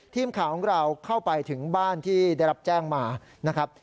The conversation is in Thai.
ทีมข่าวของเราเข้าไปถึงบ้านที่ได้รับแจ้งมานะครับ